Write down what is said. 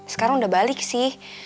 sekarang udah balik sih